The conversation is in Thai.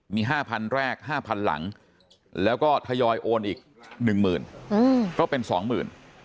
มี๕๐๐แรก๕๐๐๐หลังแล้วก็ทยอยโอนอีก๑หมื่นก็เป็นสองหมื่น